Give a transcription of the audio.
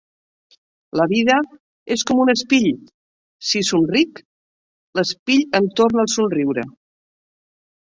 La vida és com un espill; si somric, l'espill em torna el somriure.